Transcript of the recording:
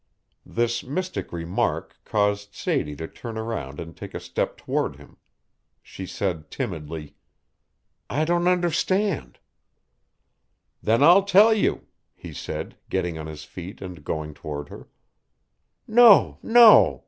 This mystic remark caused Sadie to turn around and take a step toward him. She said timidly: "I don't understand." "Then I'll tell you," he said, getting on his feet and going toward her. "No, no!"